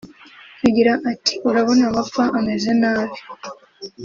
Agira ati “Urabona amapfa ameze nabi